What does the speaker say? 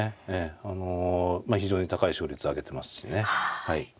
あのまあ非常に高い勝率あげてますしね。